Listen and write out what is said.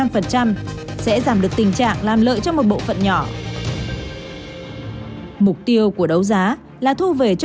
phần trăm sẽ giảm được tình trạng làm lợi cho một bộ phận nhỏ mục tiêu của đấu giá là thu về cho